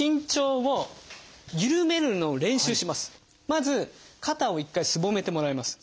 まず肩を一回すぼめてもらいます。